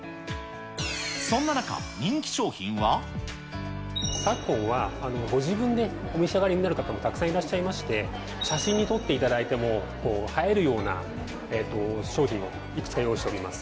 そんな中、人気商品は。昨今は、ご自分でお召し上がりになる方もたくさんいらっしゃいまして、写真に撮っていただいても映えるような、商品をいくつか用意しております。